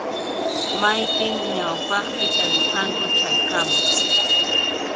Maypim ñawpaqpi tarirqanku chaykama.